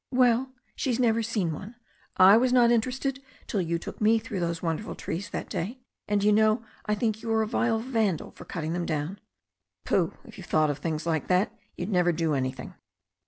"Well, she has never seen one. I was not interested till you took me through those wonderful trees that day. And you know I think you are a vile Vandal for cutting them down." "Pooh! If you thought of things like that you'd never do anything."